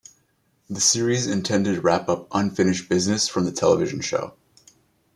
The series intended to wrap up "unfinished business" from the television show.